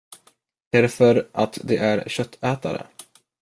Därför att de är köttätare.